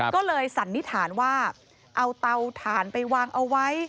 ก็เลยสันนิษฐานว่าเอาเตาถ่านไปวางเอาไว้